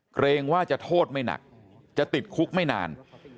เกรงว่าจะโทษไม่หนักจะติดคุกไม่นาน